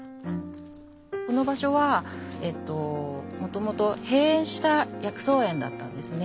この場所はもともと閉園した薬草園だったんですね。